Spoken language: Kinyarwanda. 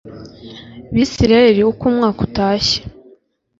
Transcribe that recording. bisirayeli uko umwaka utashye